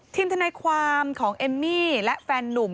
ทนายความของเอมมี่และแฟนนุ่ม